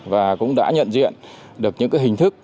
và cũng đã nhận diện được những hình thức